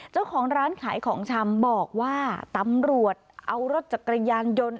เจ้าของร้านขายของชำบอกว่าตำรวจเอารถจักรยานยนต์